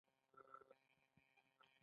دوی کولای شو توکي په خپله خوښه وپلوري